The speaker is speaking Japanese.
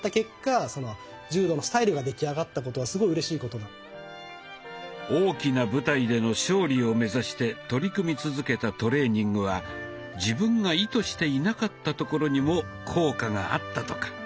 そもそも僕がその柔道で大きな舞台での勝利を目指して取り組み続けたトレーニングは自分が意図していなかったところにも効果があったとか。